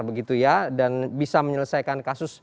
begitu ya dan bisa menyelesaikan kasus maki sembilan